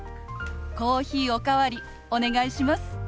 コーヒーお代わりお願いします。